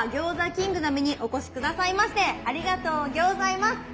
キングダムにお越し下さいましてありがとうギョーザいます。